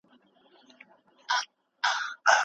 په غره کې ډېرې رڼې طبيعي چینې شته.